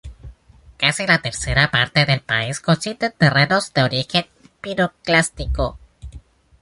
Casi la tercera parte del país consiste de terrenos de origen piroclástico.